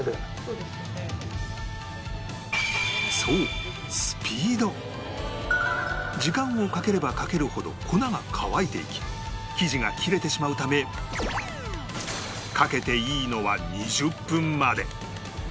そう時間をかければかけるほど粉が乾いていき生地が切れてしまうためかけていいのは２０分まで